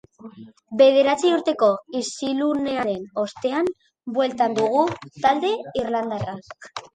Bederatzi urteko isilunearen ostean, bueltan dugu talde irlandarra.